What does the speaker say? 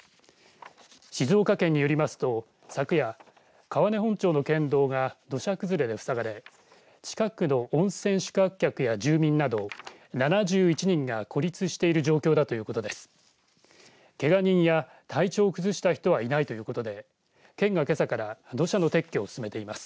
静岡県によりますと、昨夜川根本町の県道が土砂崩れでふさがれ近くの温泉宿泊客や住民など７１人が孤立している状況だということです。